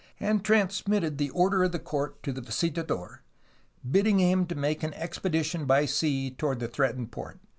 . and transmitted the order of the court to the visitador, bidding him to make an expedi tion by sea toward the threatened port.